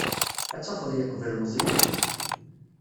Ad tafeḍ yeqbel Meẓyan.